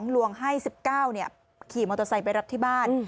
ลวงให้๑๙ขี่มอเตอร์ไซค์ไปรับที่บ้าน